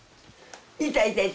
痛い痛い